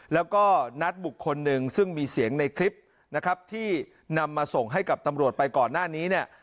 แล้วก็นัดบุคคลหนึ่งซึ่งมีเสียงในคลิปนะครับที่นำมาส่งให้กับตำรวจไปก่อนหน้านี้เนี่ย